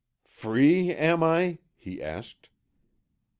"Free, am I?" he asked.